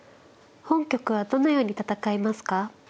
本局はどのように戦いますか。